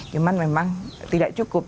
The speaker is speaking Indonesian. cuman memang tidak cukup